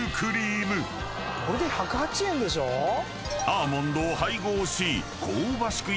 ［アーモンドを配合し香ばしく